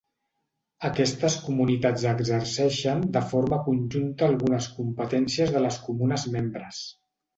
Aquestes comunitats exerceixen de forma conjunta algunes competències de les Comunes membres.